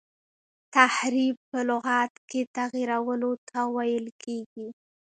تحریف په لغت کي تغیرولو ته ویل کیږي.